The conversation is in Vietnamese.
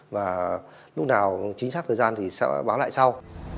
và lúc nào chính xác thời gian thì sẽ báo lại sau